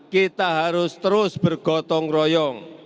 kita harus terus bergotong royong